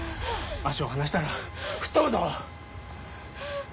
足を離したら吹っ飛ぶぞ！